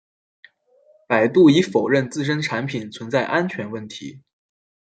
百度已否认自身产品存在安全问题。